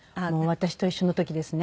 私と一緒の時ですね。